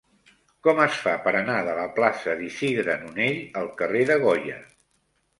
Com es fa per anar de la plaça d'Isidre Nonell al carrer de Goya?